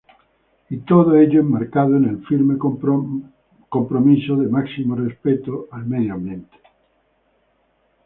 Y, todo ello, enmarcado en el firme compromiso de máximo respeto al medio ambiente.